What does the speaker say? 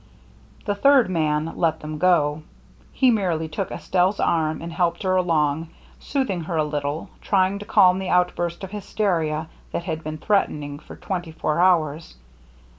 The third man let them go; he merely took Estelle's arm and helped her along, 298 THE MERRT ANNE soothing her a little, trying to calm the out burst of hysteria that had been threatening for twenty four hours.